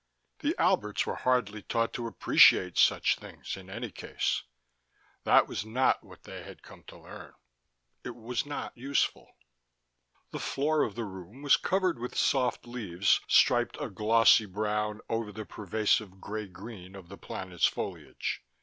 The Alberts were hardly taught to appreciate such things in any case: that was not what they had come to learn: it was not useful. The floor of the room was covered with soft leaves striped a glossy brown over the pervasive gray green of the planet's foliage.